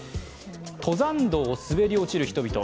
登山道を滑り落ちる人々。